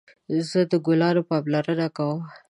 زه د ګلانو پاملرنه کوم